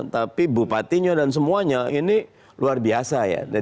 tapi bupatinya dan semuanya ini luar biasa ya